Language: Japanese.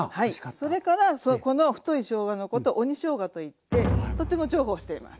それからこの太いしょうがのことを鬼しょうがといってとても重宝しています。